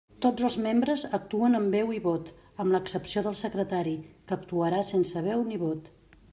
Tots els membres actuen amb veu i vot, amb l'excepció del secretari, que actuarà sense veu ni vot.